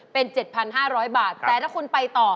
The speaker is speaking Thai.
เป็น๗๕๐๐บาทแต่ถ้าคุณไปต่อ